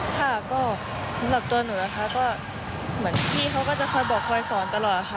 ค่ะก็สำหรับตัวหนูนะคะก็เหมือนพี่เขาก็จะคอยบอกคอยสอนตลอดค่ะ